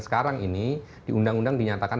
sekarang ini di undang undang dinyatakan